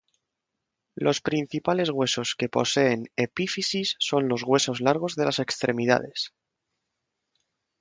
Los principales huesos que poseen epífisis son los huesos largos de las extremidades.